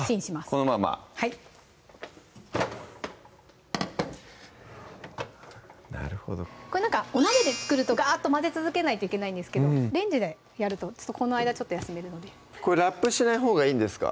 このままはいこれお鍋で作るとガッと混ぜ続けないといけないんですがレンジでやるとこの間ちょっと休めるのでこれラップしないほうがいいんですか？